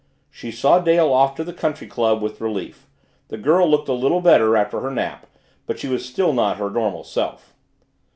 She saw Dale off to the country club with relief the girl looked a little better after her nap but she was still not her normal self.